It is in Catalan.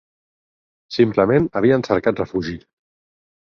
Simplement, havien cercat refugi